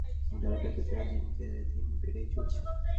সময়ের সঙ্গে পাল্লা দিয়ে তাঁদের জনপ্রিয়তা যেন দিনকে দিন বেড়েই চলেছে।